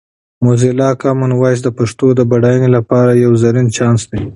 موزیلا کامن وایس د پښتو د بډاینې لپاره یو زرین چانس دی.